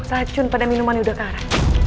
sacun pada minuman yudhakara